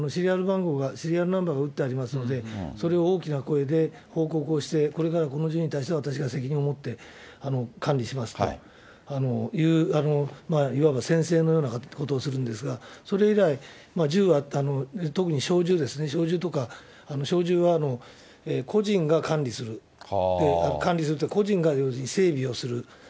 シリアルナンバーが打ってありますので、それを大きな声で報告をして、これからこの銃に対して私が責任を持って管理しますという、いわば宣誓のようなことをするんですが、それ以来、銃は、特に小銃ですね、小銃とか、小銃は個人が管理する、管理するというか、要するに整備をする。